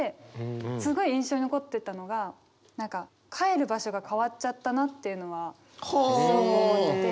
すごい印象に残ってたのが帰る場所が変わっちゃったなっていうのはすごく思ってて。